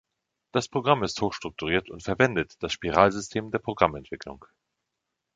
Das Programm ist hoch strukturiert und verwendet das Spiralsystem der Programmentwicklung.